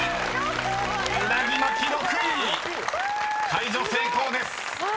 ［解除成功です］